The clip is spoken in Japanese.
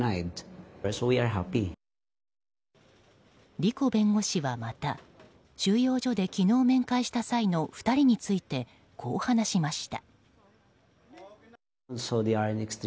リコ弁護士はまた収容所で昨日面会した際の２人についてこう話しました。